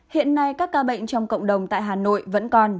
hiện nay các ca bệnh trong cộng đồng tại hà nội vẫn còn